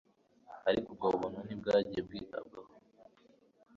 ariko ubwo buntu ntibwagiye bwitabwaho